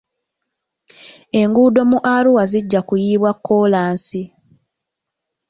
Enguudo mu Arua zijja kuyiibwa kkolansi.